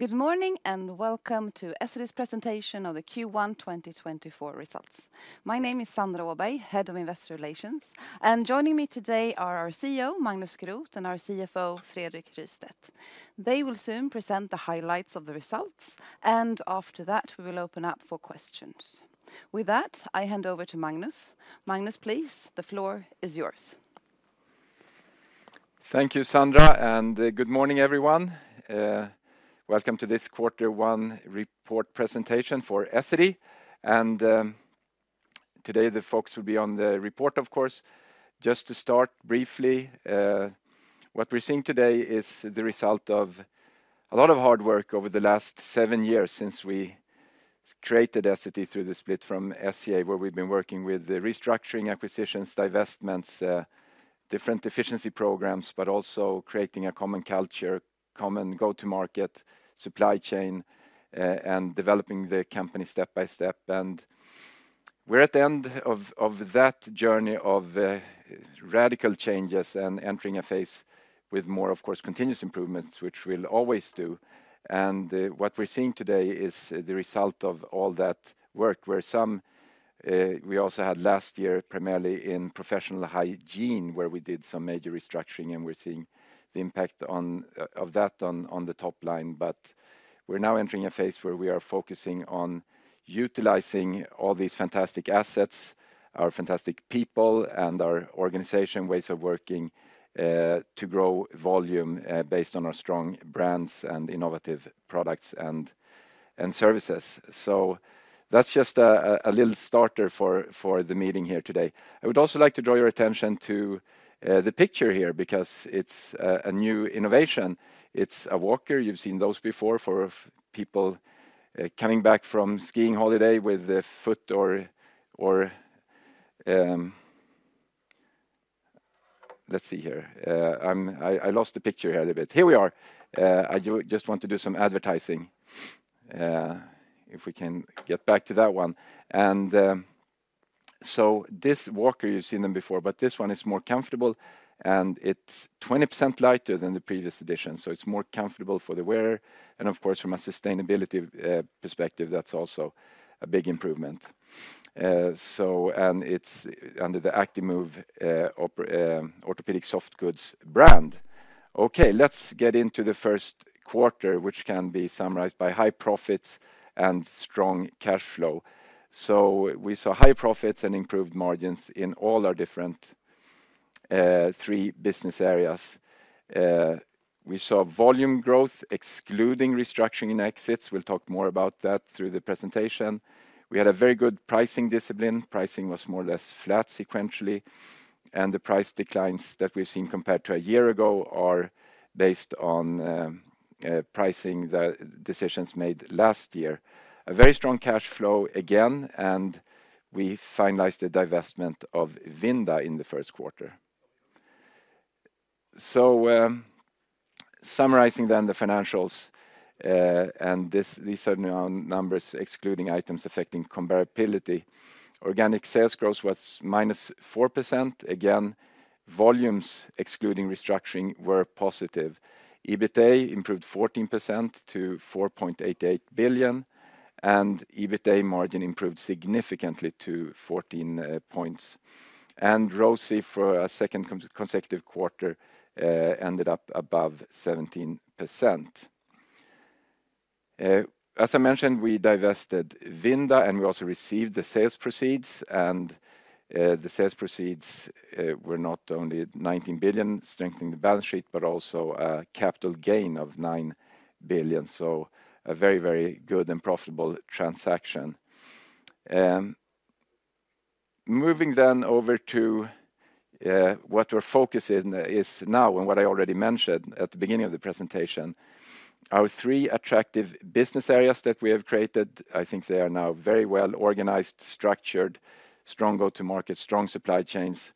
Good morning, and welcome to Essity's presentation of the Q1 2024 results. My name is Sandra Åberg, Head of Investor Relations, and joining me today are our CEO, Magnus Groth, and our CFO, Fredrik Rystedt. They will soon present the highlights of the results, and after that, we will open up for questions. With that, I hand over to Magnus. Magnus, please, the floor is yours. Thank you, Sandra, and good morning, everyone. Welcome to this quarter one report presentation for Essity. Today, the focus will be on the report, of course. Just to start briefly, what we're seeing today is the result of a lot of hard work over the last seven years since we created Essity through the split from SCA, where we've been working with the restructuring acquisitions, divestments, different efficiency programs, but also creating a common culture, common go-to-market, supply chain, and developing the company step by step. We're at the end of that journey of radical changes and entering a phase with more, of course, continuous improvements, which we'll always do. What we're seeing today is the result of all that work, where some we also had last year, primarily in professional hygiene, where we did some major restructuring, and we're seeing the impact of that on the top line, but we're now entering a phase where we are focusing on utilizing all these fantastic assets, our fantastic people, and our organization ways of working, to grow volume based on our strong brands and innovative products and services. So that's just a little starter for the meeting here today. I would also like to draw your attention to the picture here because it's a new innovation. It's a walker. You've seen those before for people coming back from skiing holiday with a foot or... Let's see here. I lost the picture here a little bit. Here we are. I just want to do some advertising, if we can get back to that one. So this walker, you've seen them before, but this one is more comfortable, and it's 20% lighter than the previous edition, so it's more comfortable for the wearer. And of course, from a sustainability perspective, that's also a big improvement. And it's under the Actimove Orthopedic Soft Goods brand. Okay, let's get into the first quarter, which can be summarized by high profits and strong cash flow. So we saw high profits and improved margins in all our different three business areas. We saw volume growth, excluding restructuring and exits. We'll talk more about that through the presentation. We had a very good pricing discipline. Pricing was more or less flat sequentially, and the price declines that we've seen compared to a year ago are based on pricing, the decisions made last year. A very strong cash flow again, and we finalized the divestment of Vinda in the first quarter. So, summarizing then the financials, and this, these are now numbers excluding items affecting comparability. Organic sales growth was -4%. Again, volumes excluding restructuring were positive. EBITA improved 14% to 4.88 billion, and EBITA margin improved significantly to 14 points. And ROCE, for a second consecutive quarter, ended up above 17%. As I mentioned, we divested Vinda, and we also received the sales proceeds, and the sales proceeds were not only 19 billion, strengthening the balance sheet, but also a capital gain of 9 billion. So a very, very good and profitable transaction. Moving then over to what our focus is, is now and what I already mentioned at the beginning of the presentation, our three attractive business areas that we have created, I think they are now very well-organized, structured, strong go-to-market, strong supply chains,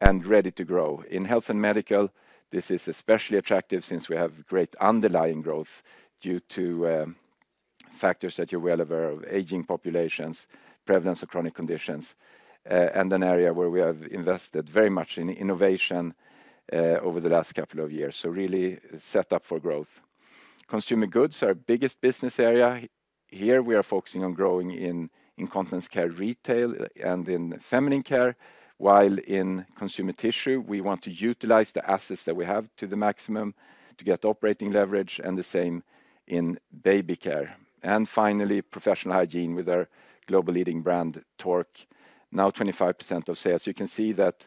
and ready to grow. In Health and Medical, this is especially attractive since we have great underlying growth due to factors that you're well aware of: aging populations, prevalence of chronic conditions, and an area where we have invested very much in innovation over the last couple of years. So really set up for growth. Consumer Goods, our biggest business area. Here, we are focusing on growing in incontinence care, retail, and in feminine care, while in consumer tissue, we want to utilize the assets that we have to the maximum to get operating leverage, and the same in baby care. And finally, Professional Hygiene with our global leading brand, Tork, now 25% of sales. You can see that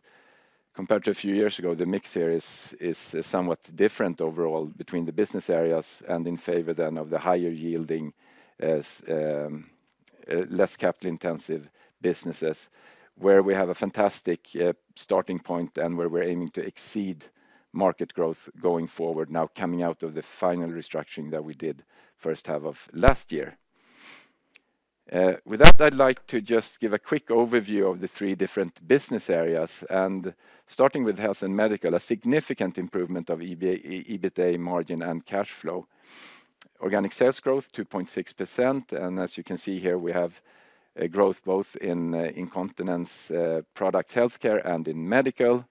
compared to a few years ago, the mix here is, is somewhat different overall between the business areas and in favor then of the higher-yielding, less capital-intensive businesses, where we have a fantastic starting point and where we're aiming to exceed market growth going forward, now coming out of the final restructuring that we did first half of last year. With that, I'd like to just give a quick overview of the three different business areas, and starting with Health and Medical, a significant improvement of EBITA margin and cash flow. Organic sales growth, 2.6%, and as you can see here, we have a growth both in incontinence, product healthcare, and in medical.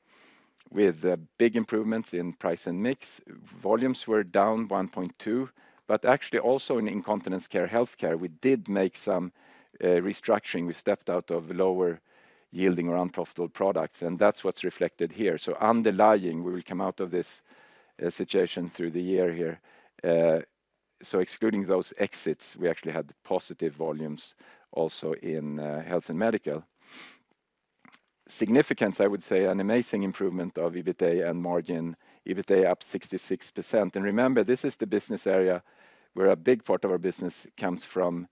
With big improvements in price and mix. Volumes were down 1.2, but actually also in incontinence care, healthcare, we did make some restructuring. We stepped out of lower yielding or unprofitable products, and that's what's reflected here. So underlying, we will come out of this situation through the year here. So excluding those exits, we actually had positive volumes also in health and medical. Significant, I would say, an amazing improvement of EBITA and margin, EBITA up 66%. Remember, this is the business area where a big part of our business comes from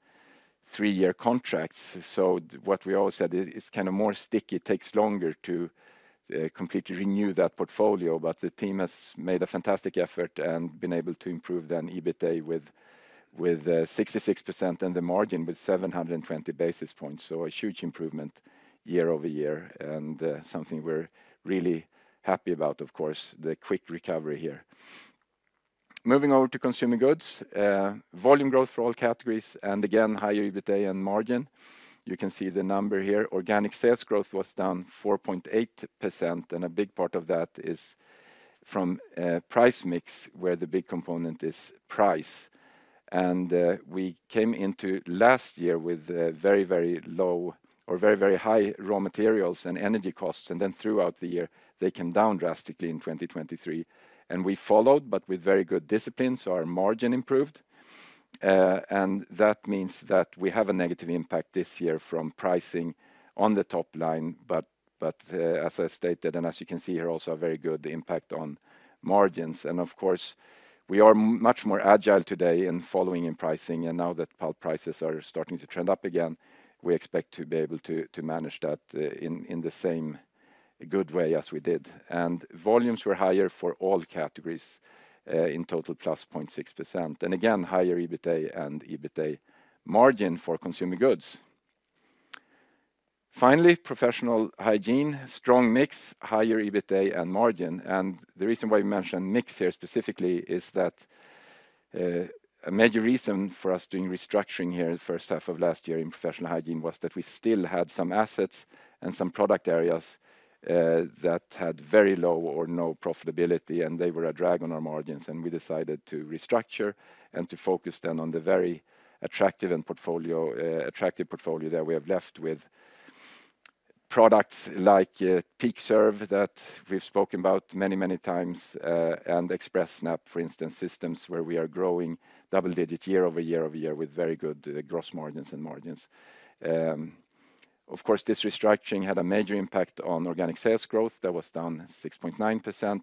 three-year contracts. So what we always said is, is kind of more sticky, it takes longer to completely renew that portfolio. But the team has made a fantastic effort and been able to improve the EBITA with 66% and the margin with 720 basis points. So a huge improvement year-over-year, and something we're really happy about, of course, the quick recovery here. Moving over to consumer goods, volume growth for all categories, and again, higher EBITA and margin. You can see the number here. Organic sales growth was down 4.8%, and a big part of that is from price mix, where the big component is price. We came into last year with very, very low or very, very high raw materials and energy costs, and then throughout the year, they came down drastically in 2023. And we followed, but with very good discipline, so our margin improved. And that means that we have a negative impact this year from pricing on the top line, but, as I stated, and as you can see here, also a very good impact on margins. And of course, we are much more agile today in following in pricing, and now that pulp prices are starting to trend up again, we expect to be able to manage that, in the same good way as we did. And volumes were higher for all categories, in total, +0.6%. And again, higher EBITA and EBITA margin for consumer goods. Finally, Professional Hygiene, strong mix, higher EBITA and margin. The reason why we mention mix here specifically is that a major reason for us doing restructuring here in the first half of last year in Professional Hygiene was that we still had some assets and some product areas that had very low or no profitability, and they were a drag on our margins. We decided to restructure and to focus then on the very attractive portfolio that we have left with products like PeakServe, that we've spoken about many, many times, and Xpressnap, for instance, systems where we are growing double-digit year-over-year, with very good gross margins and margins. Of course, this restructuring had a major impact on organic sales growth. That was down 6.9%.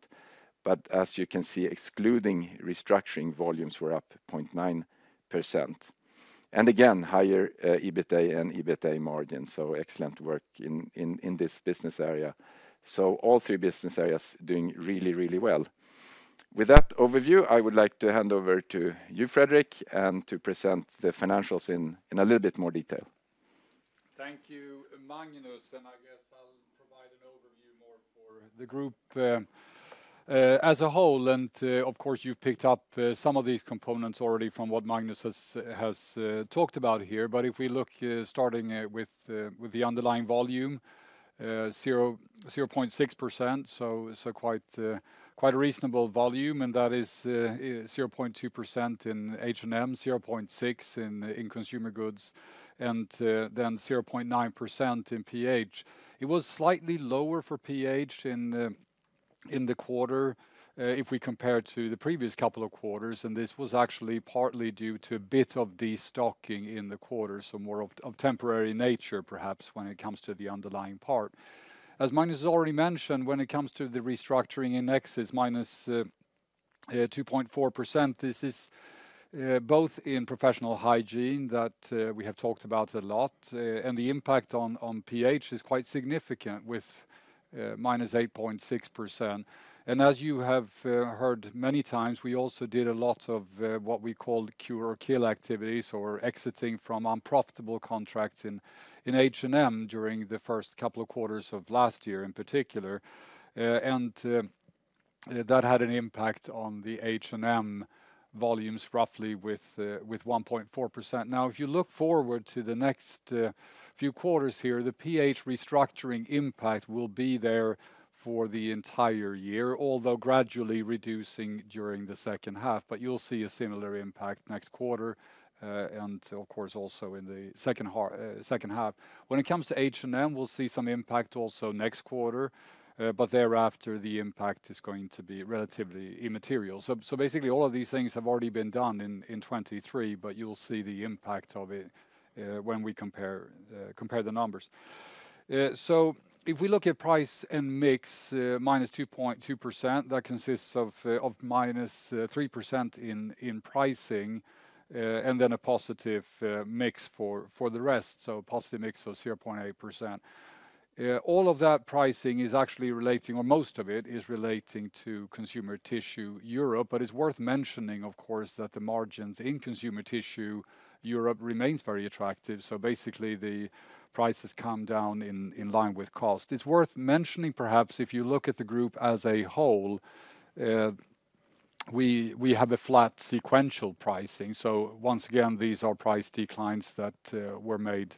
But as you can see, excluding restructuring, volumes were up 0.9%. Again, higher EBITA and EBITA margin, so excellent work in this business area. So all three business areas doing really, really well. With that overview, I would like to hand over to you, Fredrik, and to present the financials in a little bit more detail. Thank you, Magnus, and I guess I'll provide an overview more for the group, as a whole. And, of course, you've picked up some of these components already from what Magnus has talked about here. But if we look, starting with the underlying volume, 0.6%, so quite a reasonable volume, and that is 0.2% in H&M, 0.6 in Consumer Goods, and then 0.9% in PH. It was slightly lower for PH in the quarter, if we compare to the previous couple of quarters, and this was actually partly due to a bit of destocking in the quarter, so more of temporary nature, perhaps, when it comes to the underlying part. As Magnus has already mentioned, when it comes to the restructuring in X, it's -2.4%. This is both in Professional Hygiene that we have talked about a lot and the impact on PH is quite significant with -8.6%. And as you have heard many times, we also did a lot of what we call cure or kill activities or exiting from unprofitable contracts in H&M during the first couple of quarters of last year, in particular. And that had an impact on the H&M volumes, roughly with 1.4%. Now, if you look forward to the next few quarters here, the PH restructuring impact will be there for the entire year, although gradually reducing during the second half. But you'll see a similar impact next quarter, and of course, also in the second half. When it comes to H&M, we'll see some impact also next quarter, but thereafter, the impact is going to be relatively immaterial. So, basically, all of these things have already been done in 2023, but you'll see the impact of it when we compare the numbers. So if we look at price and mix, -2.2%, that consists of -3% in pricing, and then a positive mix for the rest, so a positive mix of 0.8%. All of that pricing is actually relating, or most of it is relating to Consumer Tissue Europe, but it's worth mentioning, of course, that the margins in Consumer Tissue Europe remains very attractive. So basically, the price has come down in line with cost. It's worth mentioning, perhaps, if you look at the group as a whole, we have a flat sequential pricing. So once again, these are price declines that were made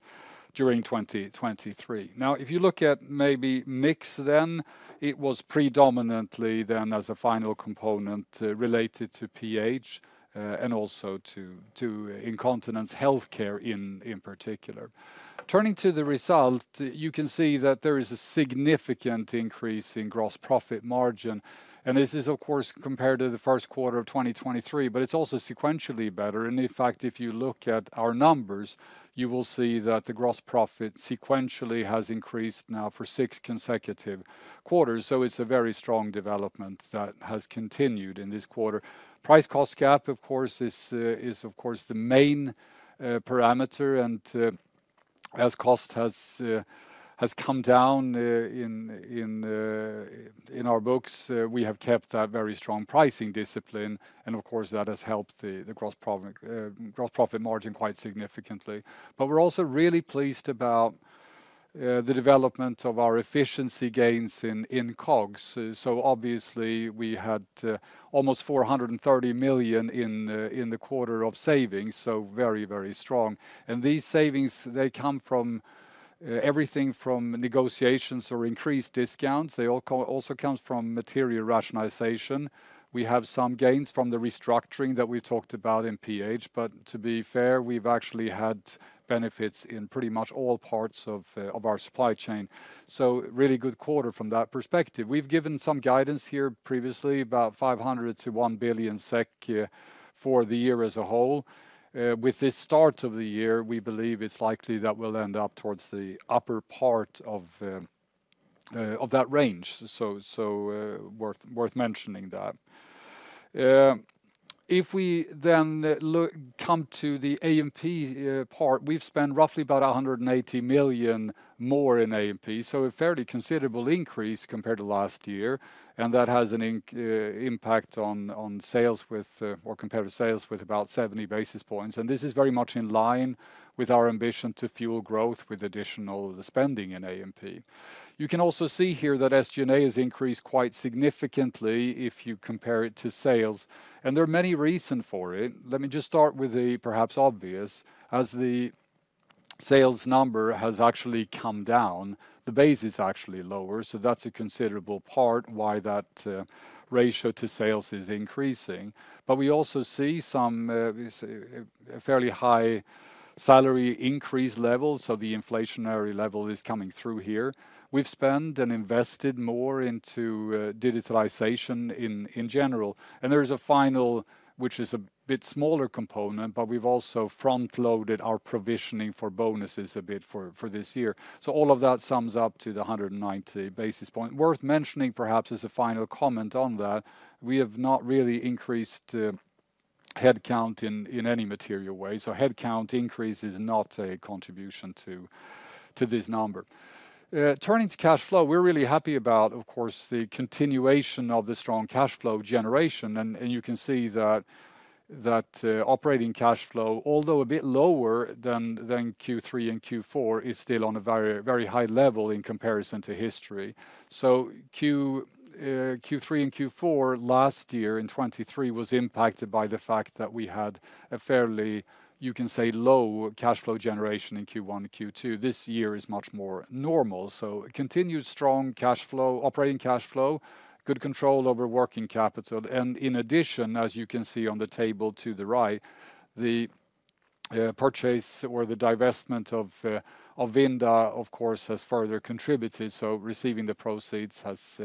during 2023. Now, if you look at maybe mix then, it was predominantly as a final component related to PH, and also to incontinence healthcare in particular. Turning to the result, you can see that there is a significant increase in gross profit margin, and this is, of course, compared to the first quarter of 2023, but it's also sequentially better. In fact, if you look at our numbers, you will see that the gross profit sequentially has increased now for six consecutive quarters. So it's a very strong development that has continued in this quarter. Price-cost gap, of course, is of course the main parameter. And as cost has come down in our books, we have kept that very strong pricing discipline, and of course, that has helped the gross profit margin quite significantly. But we're also really pleased about the development of our efficiency gains in COGS. So obviously, we had almost 430 million in the quarter of savings, so very, very strong. And these savings, they come from everything from negotiations or increased discounts. They also come from material rationalization. We have some gains from the restructuring that we talked about in PH, but to be fair, we've actually had benefits in pretty much all parts of our supply chain, so really good quarter from that perspective. We've given some guidance here previously, about 500 million-1 billion SEK for the year as a whole. With this start of the year, we believe it's likely that we'll end up towards the upper part of that range, so worth mentioning that. If we then look to the A&P part, we've spent roughly about 180 million more in A&P, so a fairly considerable increase compared to last year, and that has an impact on sales or comparative sales with about 70 basis points. This is very much in line with our ambition to fuel growth with additional spending in A&P. You can also see here that SG&A has increased quite significantly if you compare it to sales, and there are many reasons for it. Let me just start with the perhaps obvious. As the sales number has actually come down, the base is actually lower, so that's a considerable part why that ratio to sales is increasing. But we also see some we say, a fairly high salary increase level, so the inflationary level is coming through here. We've spent and invested more into digitalization in general. And there is a final, which is a bit smaller component, but we've also front-loaded our provisioning for bonuses a bit for this year. So all of that sums up to the 190 basis point. Worth mentioning, perhaps, as a final comment on that, we have not really increased headcount in any material way, so headcount increase is not a contribution to this number. Turning to cash flow, we're really happy about, of course, the continuation of the strong cash flow generation. And you can see that operating cash flow, although a bit lower than Q3 and Q4, is still on a very, very high level in comparison to history. So Q3 and Q4 last year, in 2023, was impacted by the fact that we had a fairly, you can say, low cash flow generation in Q1 and Q2. This year is much more normal, so continued strong cash flow, operating cash flow, good control over working capital. In addition, as you can see on the table to the right, the purchase or the divestment of Vinda, of course, has further contributed, so receiving the proceeds has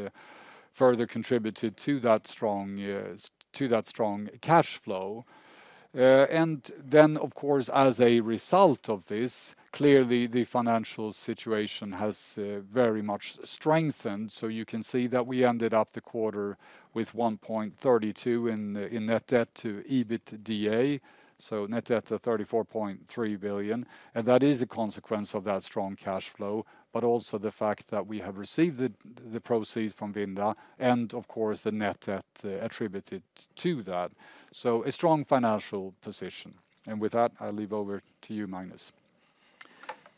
further contributed to that strong cash flow. And then, of course, as a result of this, clearly, the financial situation has very much strengthened. So you can see that we ended up the quarter with 1.32 in net debt to EBITDA, so net debt of 34.3 billion. And that is a consequence of that strong cash flow, but also the fact that we have received the proceeds from Vinda and of course, the net debt attributed to that. So a strong financial position. And with that, I'll leave over to you, Magnus.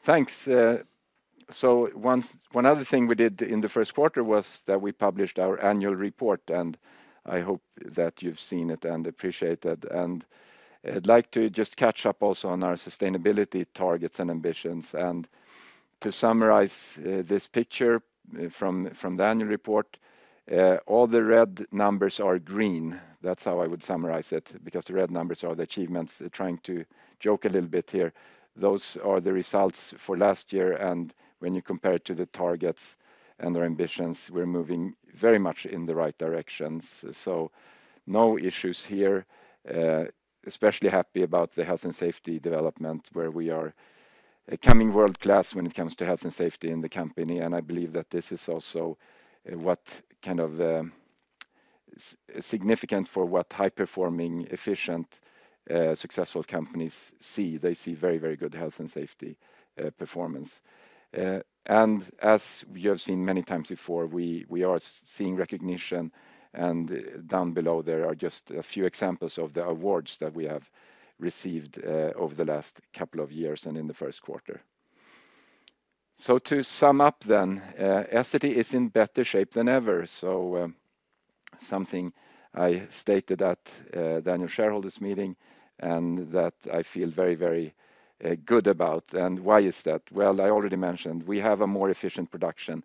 Thanks. One other thing we did in the first quarter was that we published our annual report, and I hope that you've seen it and appreciate it. I'd like to just catch up also on our sustainability targets and ambitions. To summarize, this picture from the annual report, all the red numbers are green. That's how I would summarize it, because the red numbers are the achievements. Trying to joke a little bit here, those are the results for last year, and when you compare it to the targets and our ambitions, we're moving very much in the right directions. So no issues here. Especially happy about the health and safety development, where we are becoming world-class when it comes to health and safety in the company. And I believe that this is also what kind of significant for what high-performing, efficient, successful companies see. They see very, very good health and safety performance. And as you have seen many times before, we are seeing recognition, and down below, there are just a few examples of the awards that we have received over the last couple of years and in the first quarter. So to sum up then, Essity is in better shape than ever. So, something I stated at the annual shareholders meeting, and that I feel very, very good about. And why is that? Well, I already mentioned, we have a more efficient production.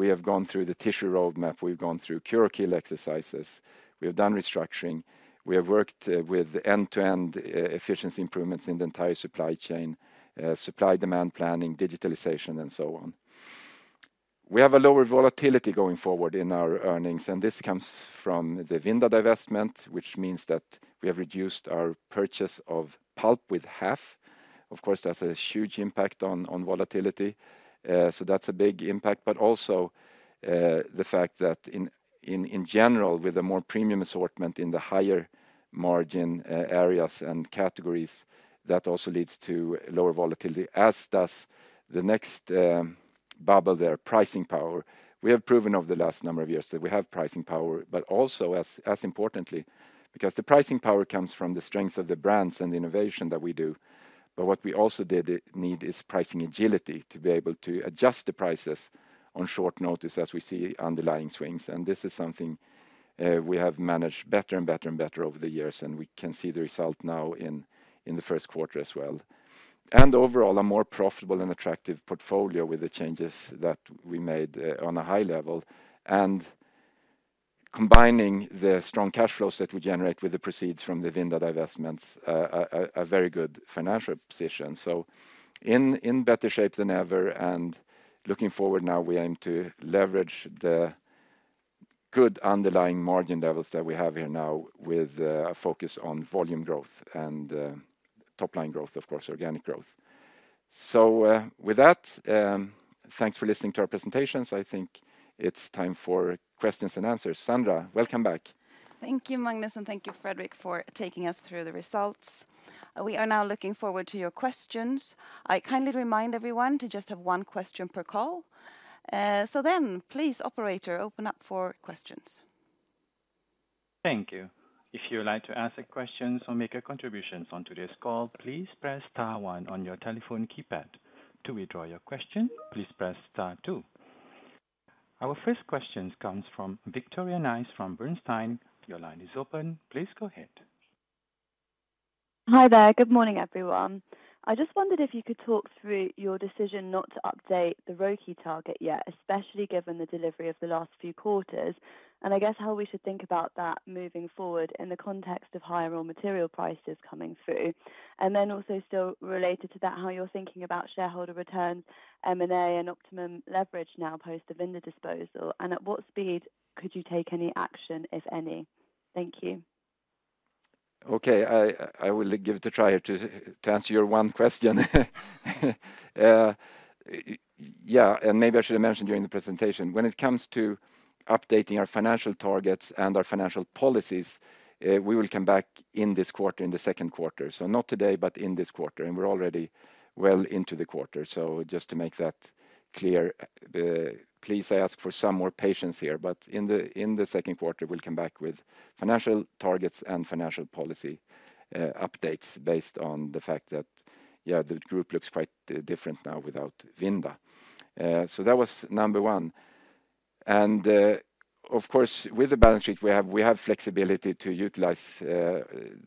We have gone through the Tissue Roadmap, we've gone through Cure or Kill exercises, we have done restructuring, we have worked with end-to-end efficiency improvements in the entire supply chain, supply demand planning, digitalization, and so on. We have a lower volatility going forward in our earnings, and this comes from the Vinda divestment, which means that we have reduced our purchase of pulp with half. Of course, that's a huge impact on volatility. So that's a big impact. But also the fact that in general, with a more premium assortment in the higher margin areas and categories, that also leads to lower volatility, as does the next bubble there, pricing power. We have proven over the last number of years that we have pricing power, but also as importantly, because the pricing power comes from the strength of the brands and the innovation that we do. But what we also did need is pricing agility, to be able to adjust the prices on short notice as we see underlying swings, and this is something we have managed better and better and better over the years, and we can see the result now in the first quarter as well. And overall, a more profitable and attractive portfolio with the changes that we made on a high level. And combining the strong cash flows that we generate with the proceeds from the Vinda divestments, a very good financial position. So in better shape than ever, and looking forward now, we aim to leverage the good underlying margin levels that we have here now with a focus on volume growth and top line growth, of course, organic growth. So with that, thanks for listening to our presentations. I think it's time for questions and answers. Sandra, welcome back. Thank you, Magnus, and thank you, Fredrik, for taking us through the results. We are now looking forward to your questions. I kindly remind everyone to just have one question per call. So then please, operator, open up for questions. Thank you. If you would like to ask a question or make a contribution on today's call, please press star one on your telephone keypad. To withdraw your question, please press star two. Our first question comes from Victoria Nice from Bernstein. Your line is open, please go ahead. Hi there. Good morning, everyone. I just wondered if you could talk through your decision not to update the ROIC target yet, especially given the delivery of the last few quarters, and I guess how we should think about that moving forward in the context of higher raw material prices coming through. And then also still related to that, how you're thinking about shareholder return, M&A, and optimum leverage now post the Vinda disposal, and at what speed could you take any action, if any? Thank you. Okay. I will give it a try to answer your one question. Yeah, and maybe I should have mentioned during the presentation, when it comes to updating our financial targets and our financial policies, we will come back in this quarter, in the second quarter, so not today, but in this quarter, and we're already well into the quarter. So just to make that clear, please, I ask for some more patience here, but in the second quarter, we'll come back with financial targets and financial policy updates based on the fact that, yeah, the group looks quite different now without Vinda. So that was number one. Of course, with the balance sheet, we have flexibility to utilize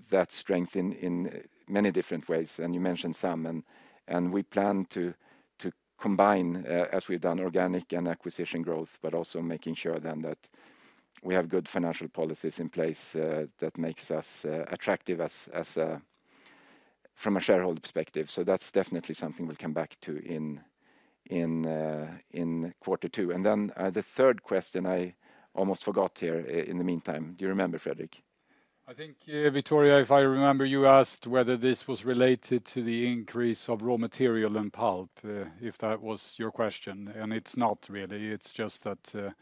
that strength in many different ways, and you mentioned some, and we plan to combine, as we've done, organic and acquisition growth, but also making sure then that we have good financial policies in place that makes us attractive from a shareholder perspective. So that's definitely something we'll come back to in quarter two. And then, the third question I almost forgot here in the meantime. Do you remember, Fredrik? I think, Victoria, if I remember, you asked whether this was related to the increase of raw material and pulp, if that was your question, and it's not really. It's just that,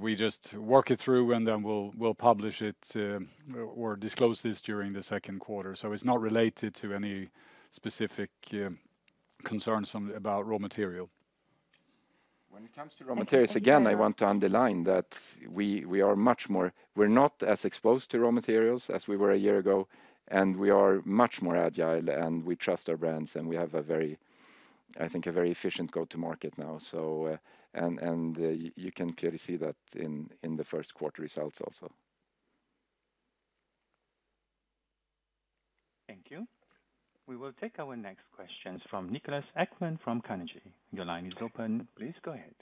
we just work it through, and then we'll publish it, or disclose this during the second quarter. So it's not related to any specific concerns about raw material. When it comes to raw materials, again, I want to underline that we are much more. We're not as exposed to raw materials as we were a year ago, and we are much more agile, and we trust our brands, and we have a very, I think, a very efficient go-to-market now. So, and you can clearly see that in the first quarter results also. Thank you. We will take our next questions from Niklas Ekman from Carnegie. Your line is open, please go ahead.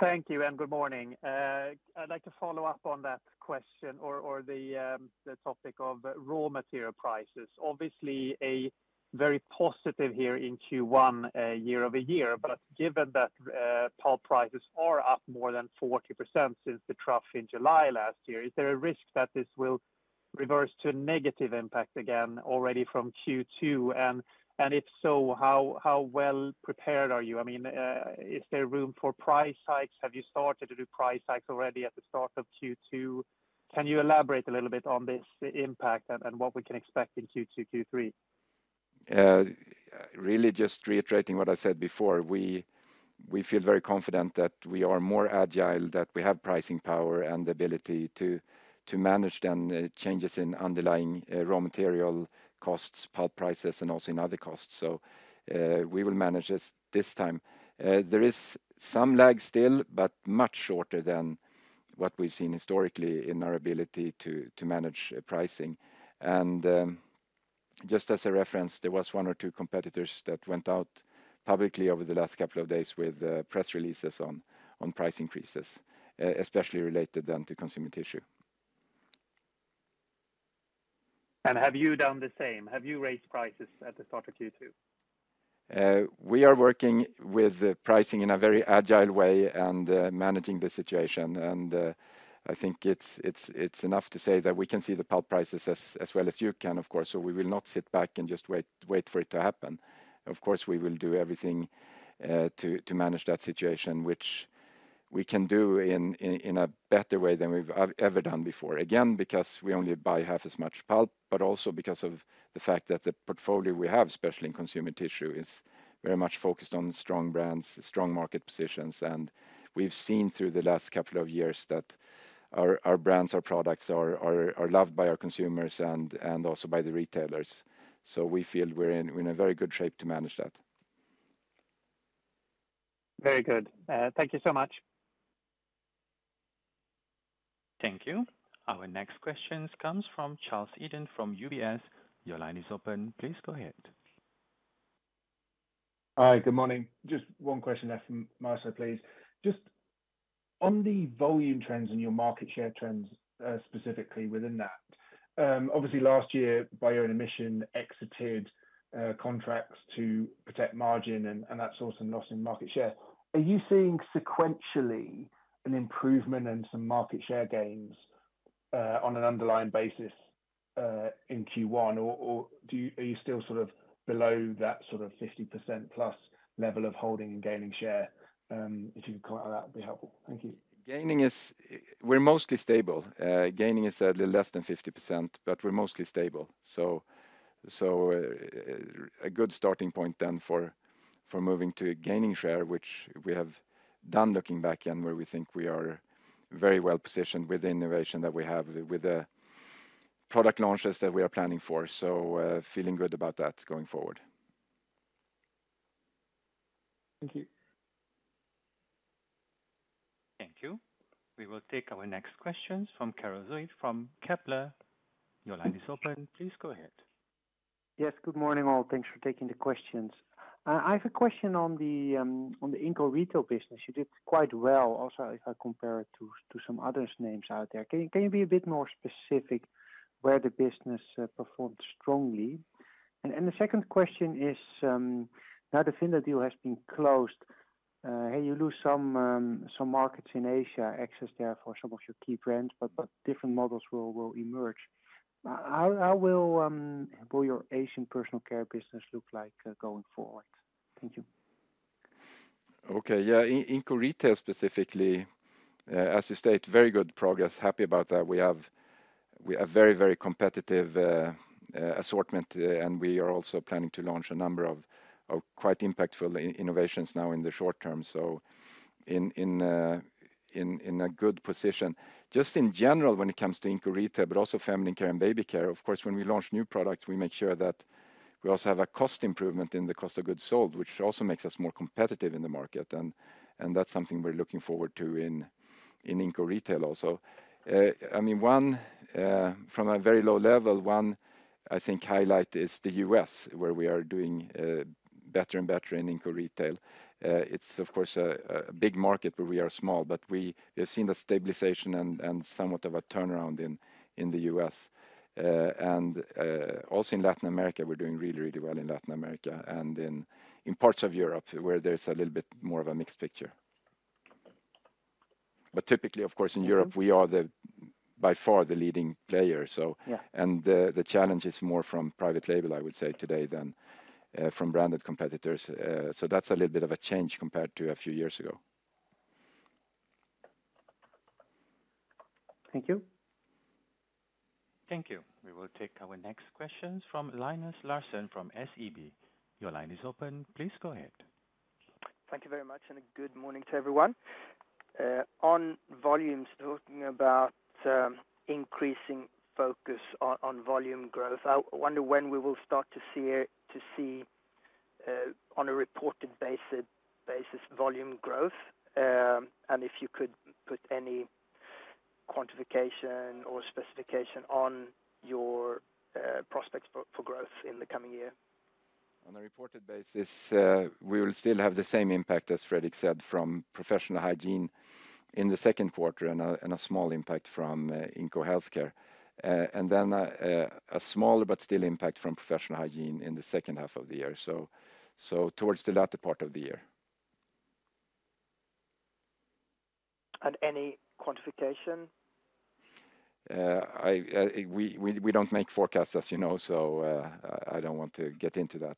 Thank you, and good morning. I'd like to follow up on that question or the topic of raw material prices. Obviously, a very positive here in Q1, year-over-year, but given that, pulp prices are up more than 40% since the trough in July last year, is there a risk that this will reverse to a negative impact again already from Q2? And if so, how well-prepared are you? I mean, is there room for price hikes? Have you started to do price hikes already at the start of Q2? Can you elaborate a little bit on this, the impact and what we can expect in Q2, Q3? Really just reiterating what I said before, we feel very confident that we are more agile, that we have pricing power and the ability to manage then changes in underlying raw material costs, pulp prices, and also in other costs. So, we will manage this this time. There is some lag still, but much shorter than what we've seen historically in our ability to manage pricing. Just as a reference, there was one or two competitors that went out publicly over the last couple of days with press releases on price increases, especially related then to consumer tissue. Have you done the same? Have you raised prices at the start of Q2? We are working with pricing in a very agile way and managing the situation. I think it's enough to say that we can see the pulp prices as well as you can, of course, so we will not sit back and just wait for it to happen. Of course, we will do everything to manage that situation, which we can do in a better way than we've ever done before. Again, because we only buy half as much pulp, but also because of the fact that the portfolio we have, especially in consumer tissue, is very much focused on strong brands, strong market positions. We've seen through the last couple of years that our brands, our products are loved by our consumers and also by the retailers. So we feel we're in a very good shape to manage that. Very good. Thank you so much. Thank you. Our next question comes from Charles Eden from UBS. Your line is open, please go ahead. Hi, good morning. Just one question from my side, please. Just on the volume trends and your market share trends, specifically within that, obviously last year, by your own admission, exited, contracts to protect margin and that's also a loss in market share. Are you seeing sequentially an improvement and some market share gains, on an underlying basis, in Q1? Or, or do you-- are you still sort of below that sort of 50%+ level of holding and gaining share? If you could comment on that, that would be helpful. Thank you. Gaining is... We're mostly stable. Gaining is a little less than 50%, but we're mostly stable. So, a good starting point then for moving to gaining share, which we have done, looking back, and where we think we are very well positioned with the innovation that we have, with the product launches that we are planning for. So, feeling good about that going forward. Thank you. Thank you. We will take our next questions from Karel Zoete from Kepler. Your line is open. Please go ahead. Yes, good morning, all. Thanks for taking the questions. I have a question on the Inco Retail business. You did quite well, also, if I compare it to some other names out there. Can you be a bit more specific where the business performed strongly? And the second question is, now the Vinda deal has been closed, and you lose some markets in Asia, access there for some of your key brands, but different models will emerge. How will your Asian personal care business look like going forward? Thank you. Okay, yeah. In Inco Retail, specifically, as you state, very good progress. Happy about that. We have very competitive assortment, and we are also planning to launch a number of quite impactful innovations now in the short term. So in a good position. Just in general, when it comes to Inco Retail, but also Feminine Care and Baby Care, of course, when we launch new products, we make sure that we also have a cost improvement in the cost of goods sold, which also makes us more competitive in the market. And that's something we're looking forward to in Inco Retail also. I mean, one from a very low level, one, I think, highlight is the U.S., where we are doing better and better in Inco Retail. It's of course a big market where we are small, but we have seen the stabilization and somewhat of a turnaround in the U.S. And also in Latin America, we're doing really, really well in Latin America, and in parts of Europe, where there's a little bit more of a mixed picture. But typically, of course, in Europe, we are by far the leading player. Yeah. And the challenge is more from private label, I would say, today than from branded competitors. So that's a little bit of a change compared to a few years ago. Thank you. Thank you. We will take our next questions from Linus Larsson, from SEB. Your line is open. Please go ahead. Thank you very much, and good morning to everyone. On volumes, talking about increasing focus on volume growth, I wonder when we will start to see it to see on a reported basis volume growth? And if you could put any quantification or specification on your prospects for growth in the coming year. On a reported basis, we will still have the same impact, as Fredrik said, from Professional Hygiene in the second quarter and a small impact from Inco Healthcare. And then a smaller but still impact from Professional Hygiene in the second half of the year. So, towards the latter part of the year. Any quantification? We don't make forecasts, as you know, so I don't want to get into that.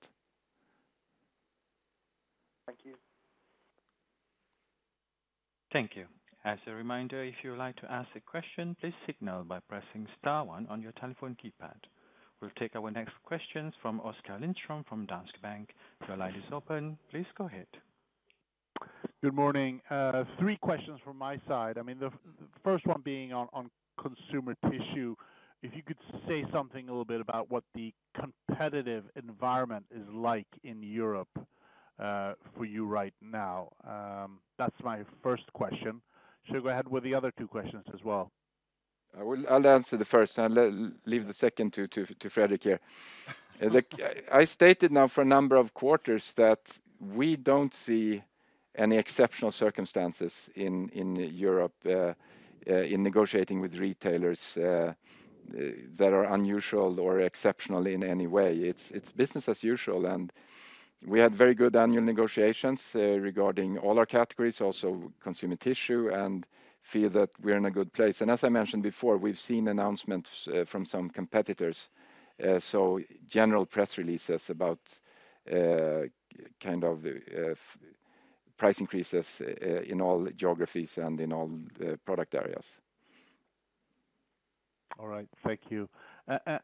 Thank you. Thank you. As a reminder, if you would like to ask a question, please signal by pressing star one on your telephone keypad. We'll take our next questions from Oskar Lindstrom from Danske Bank. Your line is open. Please go ahead. Good morning. Three questions from my side. I mean, the first one being on consumer tissue. If you could say something a little bit about what the competitive environment is like in Europe, for you right now? That's my first question. Should I go ahead with the other two questions as well? I'll answer the first, and I'll leave the second to Fredrik here. I stated now for a number of quarters that we don't see any exceptional circumstances in Europe in negotiating with retailers that are unusual or exceptional in any way. It's business as usual, and we had very good annual negotiations regarding all our categories, also consumer tissue, and feel that we're in a good place. And as I mentioned before, we've seen announcements from some competitors, so general press releases about kind of price increases in all geographies and in all product areas. All right. Thank you.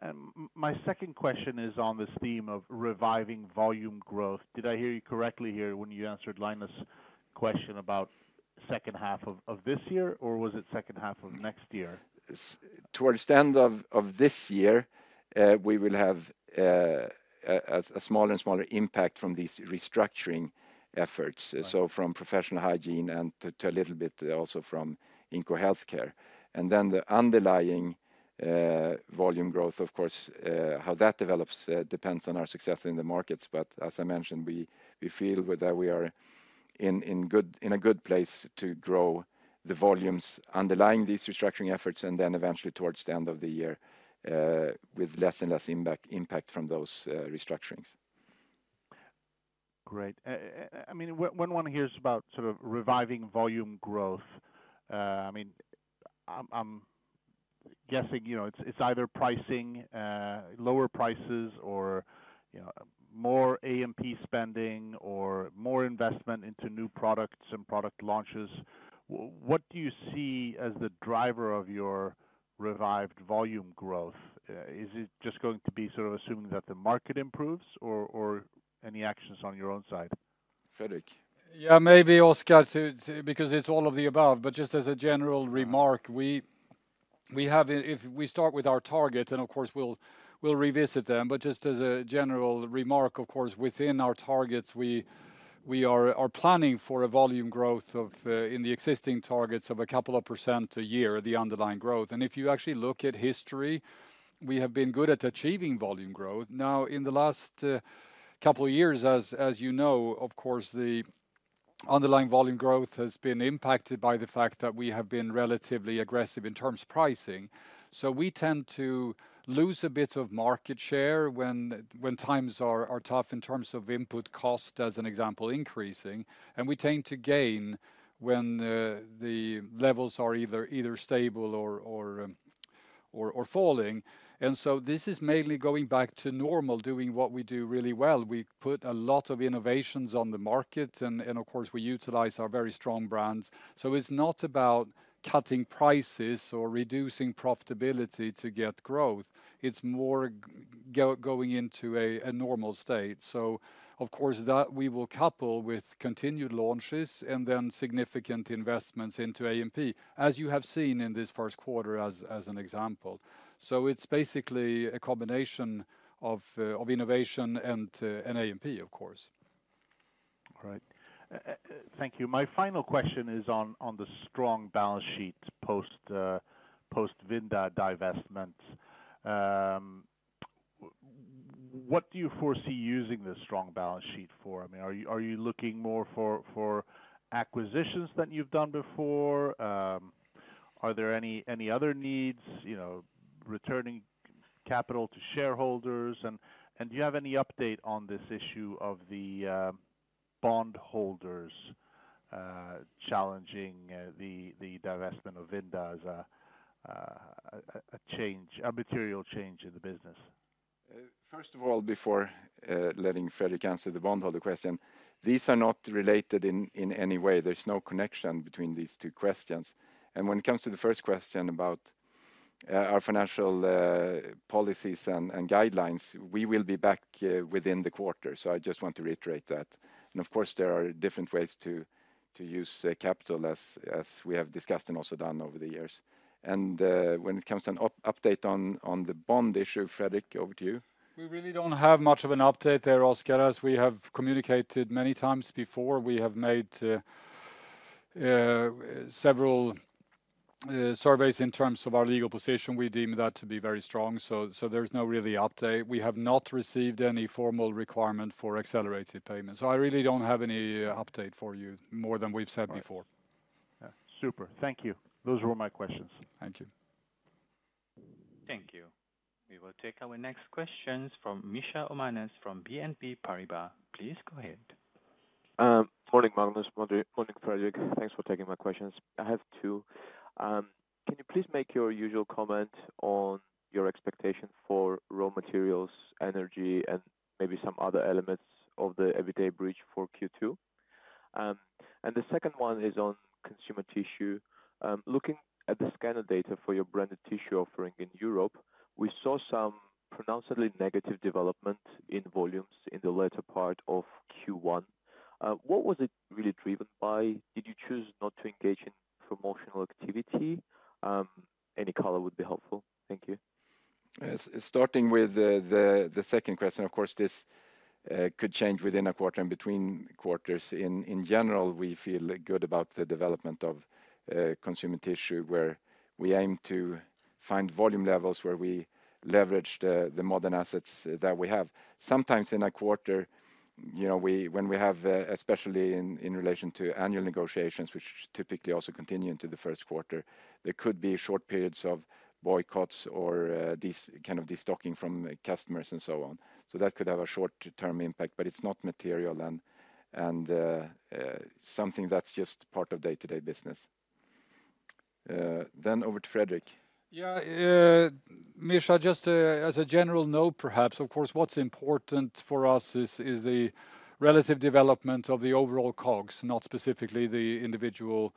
And my second question is on this theme of reviving volume growth. Did I hear you correctly here when you answered Linus' question about second half of this year, or was it second half of next year? Towards the end of this year, we will have a smaller and smaller impact from these restructuring efforts. So from professional hygiene and to a little bit also from Inco Healthcare. And then the underlying volume growth, of course, how that develops depends on our success in the markets. But as I mentioned, we feel that we are in a good place to grow the volumes underlying these restructuring efforts, and then eventually towards the end of the year, with less and less impact from those restructurings. Great. I mean, when one hears about sort of reviving volume growth, I mean, I'm guessing, you know, it's either pricing, lower prices or, you know, more A&P spending or more investment into new products and product launches. What do you see as the driver of your revived volume growth? Is it just going to be sort of assuming that the market improves or any actions on your own side? Frederick? Yeah, maybe, Oscar. Because it's all of the above. But just as a general remark, we have a, if we start with our target, and of course, we'll revisit them, but just as a general remark, of course, within our targets, we are planning for a volume growth of, in the existing targets of a couple of percent a year, the underlying growth. And if you actually look at history, we have been good at achieving volume growth. Now, in the last couple of years, as you know, of course, the underlying volume growth has been impacted by the fact that we have been relatively aggressive in terms of pricing. So we tend to lose a bit of market share when times are tough in terms of input cost, as an example, increasing, and we tend to gain when the levels are either stable or falling. So this is mainly going back to normal, doing what we do really well. We put a lot of innovations on the market, and of course, we utilize our very strong brands. So it's not about cutting prices or reducing profitability to get growth. It's more going into a normal state. So of course, that we will couple with continued launches and then significant investments into A&P, as you have seen in this first quarter as an example. So it's basically a combination of innovation and A&P, of course. All right. Thank you. My final question is on, on the strong balance sheet post, post Vinda divestment. What do you foresee using this strong balance sheet for? I mean, are you, are you looking more for, for acquisitions than you've done before? Are there any, any other needs, you know, returning capital to shareholders? Do you have any update on this issue of the bond holders challenging the the divestment of Vinda as a, a, a change, a material change in the business? First of all, before letting Frederick answer the bondholder question, these are not related in any way. There's no connection between these two questions. When it comes to the first question about our financial policies and guidelines, we will be back within the quarter. So I just want to reiterate that. Of course, there are different ways to use capital as we have discussed and also done over the years. When it comes to an update on the bond issue, Frederick, over to you. We really don't have much of an update there, Oscar, as we have communicated many times before. We have made several surveys in terms of our legal position. We deem that to be very strong, so there's no real update. We have not received any formal requirement for accelerated payments. So I really don't have any update for you more than we've said before. All right. Yeah, super. Thank you. Those were all my questions. Thank you. Thank you. We will take our next questions from Mishra Manas from BNP Paribas. Please go ahead. Morning, Magnus. Morning, Fredrik. Thanks for taking my questions. I have two. Can you please make your usual comment on your expectation for raw materials, energy, and maybe some other elements of the Everyday Bridge for Q2? The second one is on consumer tissue. Looking at the scanner data for your branded tissue offering in Europe, we saw some pronouncedly negative development in volumes in the latter part of Q1. What was it really driven by? Did you choose not to engage in promotional activity? Any color would be helpful. Thank you. Yes, starting with the second question, of course, this could change within a quarter and between quarters. In general, we feel good about the development of consumer tissue, where we aim to find volume levels, where we leverage the modern assets that we have. Sometimes in a quarter, you know, when we have, especially in relation to annual negotiations, which typically also continue into the first quarter, there could be short periods of boycotts or kind of destocking from customers and so on. So that could have a short-term impact, but it's not material and something that's just part of day-to-day business. Then over to Fredrik. Yeah, Mishra, just, as a general note, perhaps, of course, what's important for us is the relative development of the overall COGS, not specifically the individual,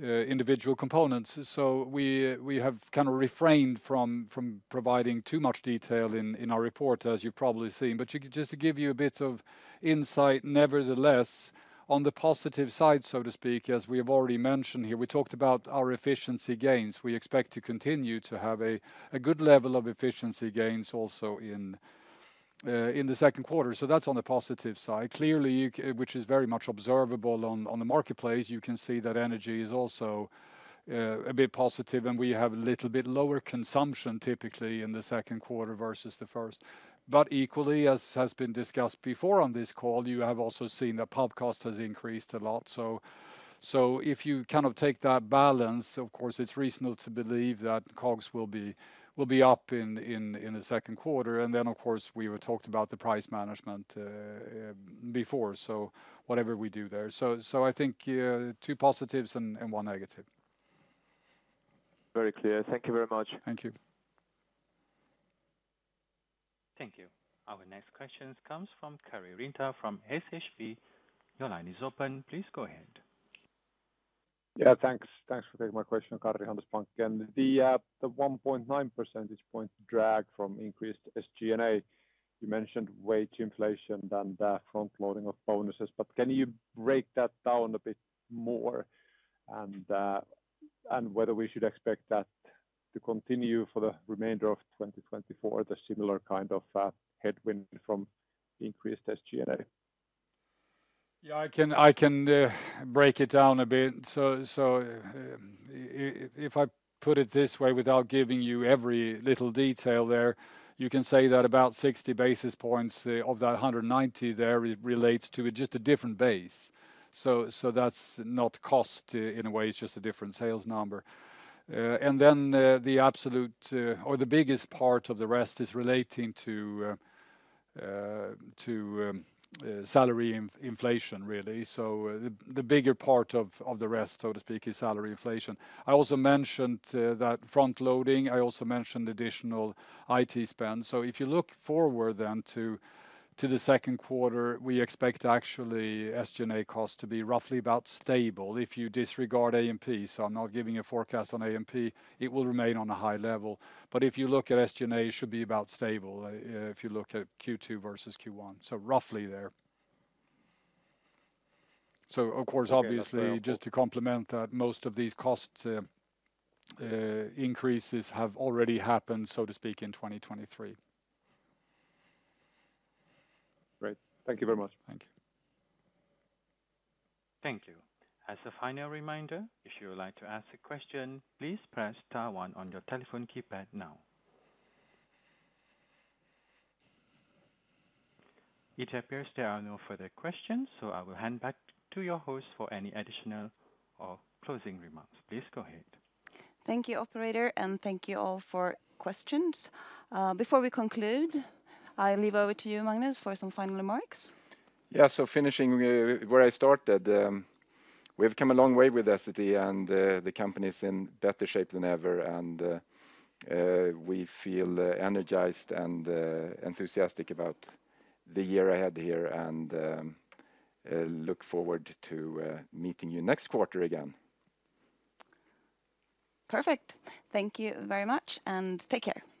individual components. So we, we have kind of refrained from providing too much detail in our report, as you've probably seen. But just to give you a bit of insight, nevertheless, on the positive side, so to speak, as we have already mentioned here, we talked about our efficiency gains. We expect to continue to have a good level of efficiency gains also in the second quarter, so that's on the positive side. Clearly, you can, which is very much observable on the marketplace, you can see that energy is also a bit positive, and we have a little bit lower consumption, typically, in the second quarter versus the first. But equally, as has been discussed before on this call, you have also seen that pulp cost has increased a lot. So if you kind of take that balance, of course, it's reasonable to believe that COGS will be up in the second quarter. And then, of course, we talked about the price management before, so whatever we do there. So I think two positives and one negative. Very clear. Thank you very much. Thank you. Thank you. Our next question comes from Karri Rinta, from SHB. Your line is open. Please go ahead. Yeah, thanks. Thanks for taking my question, Karri, from Handelsbanken. The 1.9 percentage point drag from increased SG&A, you mentioned wage inflation and the frontloading of bonuses, but can you break that down a bit more? And and whether we should expect that to continue for the remainder of 2024, the similar kind of headwind from increased SG&A? Yeah, I can, I can break it down a bit. So, if I put it this way, without giving you every little detail there, you can say that about 60 basis points of that 190 there relates to just a different base. So that's not cost in a way, it's just a different sales number. And then the absolute or the biggest part of the rest is relating to salary inflation, really. So the bigger part of the rest, so to speak, is salary inflation. I also mentioned that frontloading. I also mentioned additional IT spend. So if you look forward then to the second quarter, we expect actually SG&A costs to be roughly about stable, if you disregard A&P. So I'm not giving a forecast on A&P. It will remain on a high level. But if you look at SG&A, it should be about stable, if you look at Q2 versus Q1, so roughly there. So of course, obviously- Okay, that's very helpful. Just to complement that, most of these cost increases have already happened, so to speak, in 2023. Great. Thank you very much. Thank you. Thank you. As a final reminder, if you would like to ask a question, please press star one on your telephone keypad now. It appears there are no further questions, so I will hand back to your host for any additional or closing remarks. Please go ahead. Thank you, operator, and thank you all for questions. Before we conclude, I'll hand over to you, Magnus, for some final remarks. Yeah, so finishing where I started, we've come a long way with Essity, and the company is in better shape than ever. And we feel energized and enthusiastic about the year ahead here, and look forward to meeting you next quarter again. Perfect. Thank you very much, and take care.